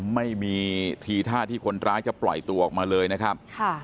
ไม่มีทีท่าที่คนร้ายจะปล่อยตัวออกมาเลยนะครับ